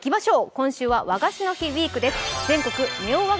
今週は和菓子の日ウィークです。